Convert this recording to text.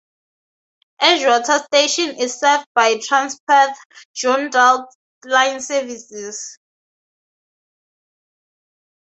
Edgewater station is served by Transperth Joondalup line services.